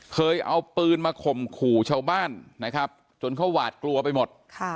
เคยเอาปืนมาข่มขู่ชาวบ้านนะครับจนเขาหวาดกลัวไปหมด